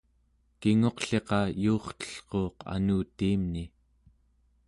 kinguqliqa yuurtellruuq anutiimni